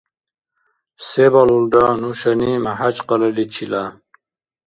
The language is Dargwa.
Се балулра нушани МяхӀякъалаличила?